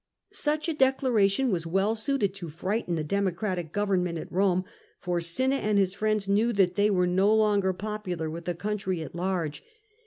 Such a declaration was well suited to frighten the Democratic government at Home, for Cinna and his friends knew that they were no longer popular with the country at large.